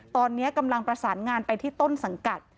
ตอนนี้กำลังประสานงานไปที่ต้นสังกัด